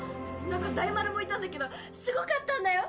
何か大丸もいたんだけどすごかったんだよ！